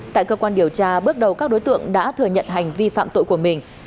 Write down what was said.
tại cơ quan điều tra bước đầu các đối tượng đã thừa nhận hành vi phạm tội của mình